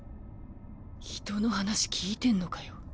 人の話聞いてんのかよ。